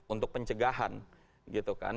untuk pencegahan gitu kan